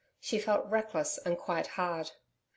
She felt reckless and quite hard.